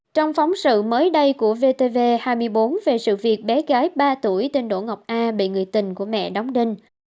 trong phóng sự mới đây của vtv hai mươi bốn về sự việc bé gái ba tuổi tên đỗ ngọc a bị người tình của mẹ đóng đinh